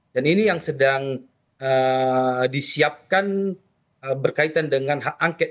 dan ini yang sedang disiapkan berkaitan dengan hak angket